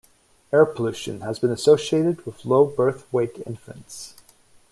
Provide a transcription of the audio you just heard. Air pollution has been associated with low birth weight infants.